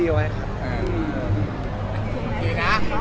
พี่พอร์ตทานสาวใหม่พี่พอร์ตทานสาวใหม่